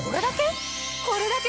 これだけ？